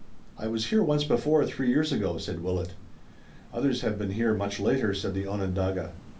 "I was here once before, three years ago," said Willet. "Others have been here much later," said the Onondaga.